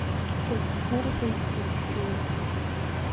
Сагьгәырӷьеит, сагьшәеит.